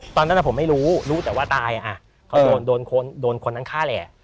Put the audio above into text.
ตอนนั้นผมไม่รู้รู้แต่ว่าแสกคือโดนคนหนังฆ่าแหล่ะ